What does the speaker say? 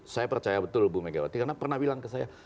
saya percaya betul bu megawati karena pernah bilang ke saya